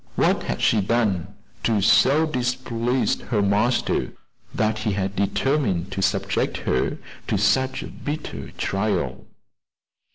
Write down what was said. What had she done to so displease her master, that he had determined to subject her to such a bitter trial?